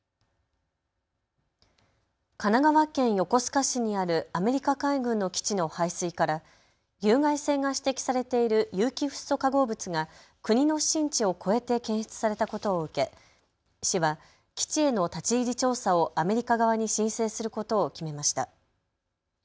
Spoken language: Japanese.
神奈川県横須賀市にあるアメリカ海軍の基地の排水から有害性が指摘されている有機フッ素化合物が国の指針値を超えて検出されたことを受け市は基地への立ち入り調査をアメリカ側に申請することを決めました。